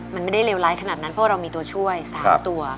มันไม่ได้เลวร้ายขนาดนั้นเพราะว่าเรามีตัวช่วย๓ตัว